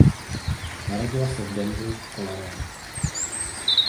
Narodila se v Denveru v Coloradu.